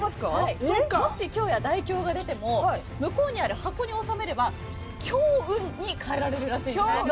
もし凶や大凶が出ても向こうにある箱に納めれば強運に変えられるそうです。